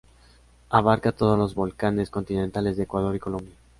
Abarca todos los volcanes continentales de Ecuador y Colombia.